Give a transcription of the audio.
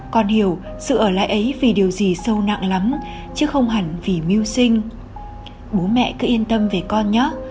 con hiểu sự ở lại ấy vì điều gì sâu nặng lắm chứ không hẳn vì mưu sinh bố mẹ cứ yên tâm về con nhớ